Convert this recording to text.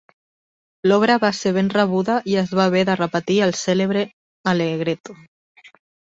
L'obra va ser ben rebuda i es va haver de repetir el cèlebre allegretto.